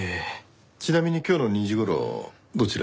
ちなみに今日の２時頃どちらに？